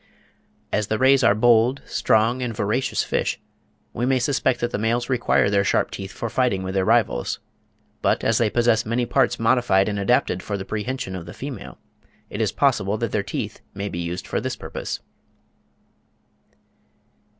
As the rays are bold, strong and voracious fish, we may suspect that the males require their sharp teeth for fighting with their rivals; but as they possess many parts modified and adapted for the prehension of the female, it is possible that their teeth may be used for this purpose.